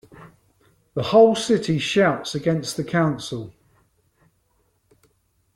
The whole city shouts against the Council.